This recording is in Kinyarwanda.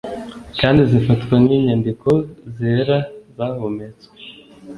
kandi zifatwa nk’inyandiko zera zahumetswe